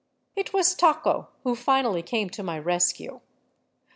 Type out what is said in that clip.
It was " Taco " who finally came to my rescue.